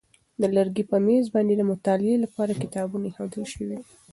د لرګي په مېز باندې د مطالعې لپاره کتابونه ایښودل شوي دي.